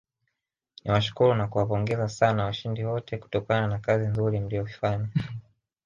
Niwashukuru na kuwapongeza sana washindi wote kutokana na kazi nzuri mliyoifanya